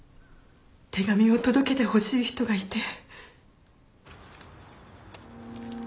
手紙を届けてほしい人がいて。